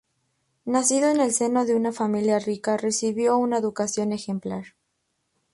Nacido en el seno de una familia rica, recibió una educación ejemplar.